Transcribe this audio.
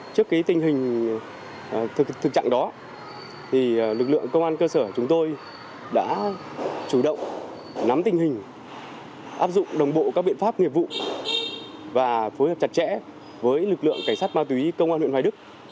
trước tình hình thực trạng đó lực lượng công an cơ sở chúng tôi đã chủ động nắm tình hình áp dụng đồng bộ các biện pháp nghiệp vụ và phối hợp chặt chẽ với lực lượng cảnh sát ma túy công an huyện hoài đức